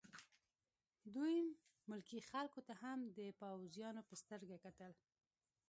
دوی ملکي خلکو ته هم د پوځیانو په سترګه کتل